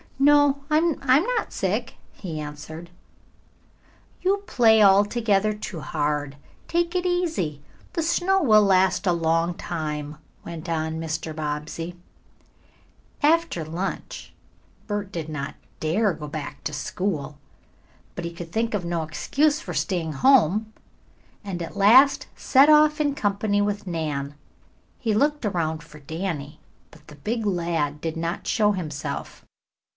"No, I'm not sick," he answered. "You play altogether too hard. Take it easy. The snow will last a long time," went on Mr. Bobbsey. After lunch Bert did not dare to go back to school. But he could think of no excuse for staying home and at last set off in company with Nan. He looked around for Danny, but the big lad did not show himself.